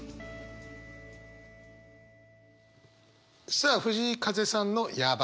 さあ藤井風さんの「やば。」